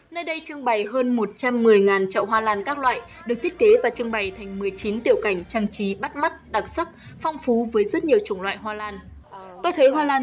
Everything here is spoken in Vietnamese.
nơi đây trưng bày hơn một trăm một mươi trậu hoa lan các loại được thiết kế và trưng bày thành một mươi chín tiểu cảnh trang trí bắt mắt đặc sắc phong phú với rất nhiều chủng loại hoa lan